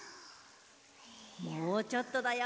もうちょっとだよ。